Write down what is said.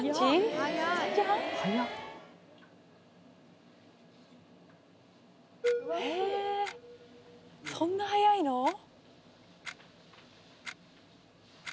へぇそんな早いの？